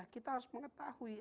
kita harus mengetahui